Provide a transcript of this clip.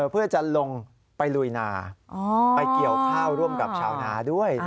เพื่อจะลงไปลุยนาไปเกี่ยวข้าวร่วมกับชาวนาด้วย